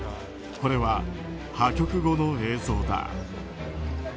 これは破局後の映像だ。